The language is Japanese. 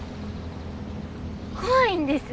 怖いんです。